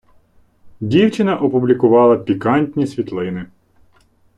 Дівчина опублікувала пікантні світлини.